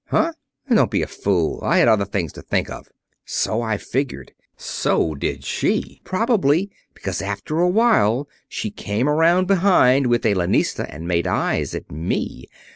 "Huh? Don't be a fool. I had other things to think of." "So I figured. So did she, probably, because after a while she came around behind with a lanista and made eyes at me.